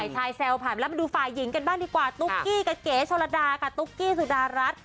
ตุ๊กกี้กันเก๋ชะลดากันตุ๊กกี้สุดารัส